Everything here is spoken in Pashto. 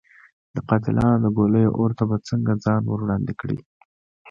د قاتلانو د ګولیو اور ته به څنګه ځان ور وړاندې کړي.